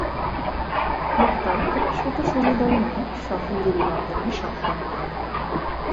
মুখতার তার ছোট সৈন্যদল নিয়ে সফল গেরিলা আক্রমণে সক্ষম হন।